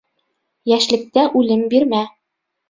Йәшлектә үлем бирмә.